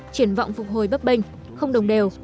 triển vọng phục hồi bấp bênh không đồng đều